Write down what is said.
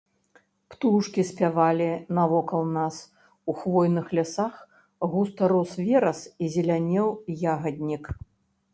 Птушкі спявалі навокал нас, у хвойных лясах густа рос верас і зелянеў ягаднік.